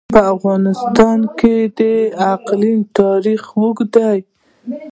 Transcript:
په افغانستان کې د اقلیم تاریخ اوږد دی.